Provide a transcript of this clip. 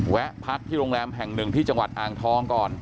แวะพักที่โรงแรมแห่งหนึ่งที่จังหวัดอ่างทองก่อน